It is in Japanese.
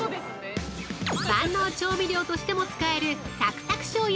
◆万能調味料としても使えるサクサクしょうゆ